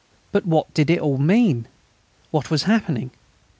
But what did it all mean? What was happening?